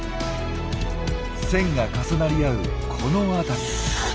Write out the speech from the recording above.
線が重なり合うこの辺り。